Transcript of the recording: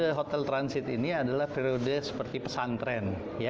the hotel transit ini adalah periode seperti pesantren